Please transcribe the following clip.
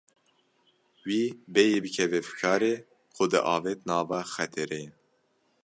Wî bêyî bikeve fikarê xwe diavêt nava xetereyê.